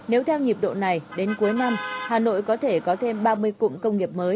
nếu theo nhịp độ này đến cuối năm hà nội có thể có thêm ba mươi cụm công nghiệp mới